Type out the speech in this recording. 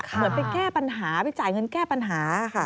เหมือนไปแก้ปัญหาไปจ่ายเงินแก้ปัญหาค่ะ